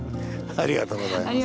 ありがとうございます。